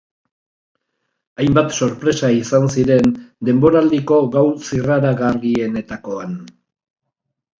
Hainbat sorpresa izan ziren denboraldiko gau zirraragarrienetakoan.